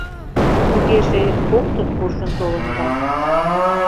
— Тугеже, коктын куржын толында.